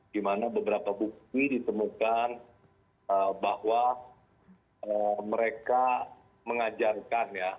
karena beberapa bukti ditemukan bahwa mereka mengajarkan ya